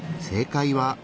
正解は。